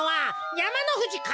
やまのふじか？